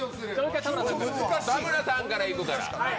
田村さんからいくから。